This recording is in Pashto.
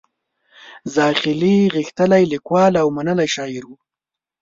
زاخیلي غښتلی لیکوال او منلی شاعر و.